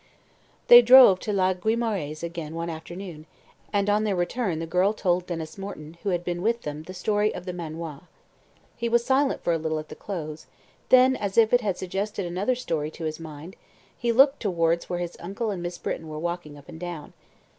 They drove to La Guimorais again one afternoon, and on their return the girl told Denys Morton, who had been with them, the story of the manoir. He was silent for a little at the close, then, as if it had suggested another story to his mind, he looked towards where his uncle and Miss Britton were walking up and down.